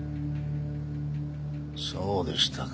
そうでしたか。